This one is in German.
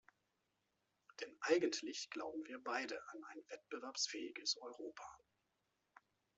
Denn eigentlich glauben wir beide an ein wettbewerbsfähiges Europa.